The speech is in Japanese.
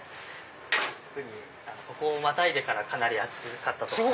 特にここまたいでからかなり暑かったと思います。